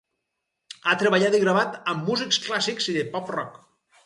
Ha treballat i gravat amb músics clàssics i de pop rock.